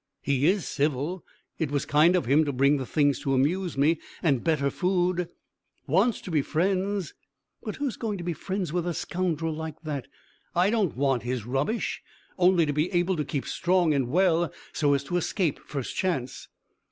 "He is civil. It was kind of him to bring the things to amuse me, and better food. Wants to be friends! But who's going to be friends with a scoundrel like that? I don't want his rubbish only to be able to keep strong and well, so as to escape first chance."